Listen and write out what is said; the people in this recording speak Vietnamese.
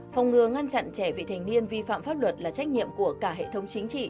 phòng ngừa ngăn chặn trẻ vị thành niên vi phạm pháp luật là trách nhiệm của cả hệ thống chính trị